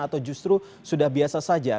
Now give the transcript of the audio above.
atau justru sudah biasa saja